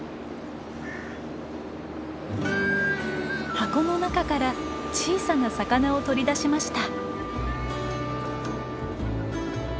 箱の中から小さな魚を取り出しました。